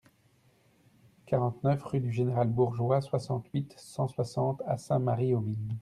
quarante-neuf rue du Général Bourgeois, soixante-huit, cent soixante à Sainte-Marie-aux-Mines